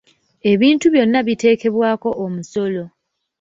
Ebintu byonna biteekebwako omusolo.